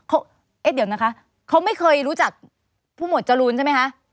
เขาเอ๊ะเดี๋ยวนะคะเขาไม่เคยรู้จักผู้หมวดจรูนใช่ไหมคะ